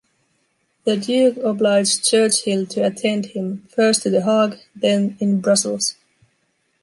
The Duke obliged Churchill to attend him, first to The Hague, then in Brussels.